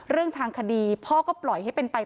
เรื่องทางคดีพ่อก็ปล่อยให้เป็นไป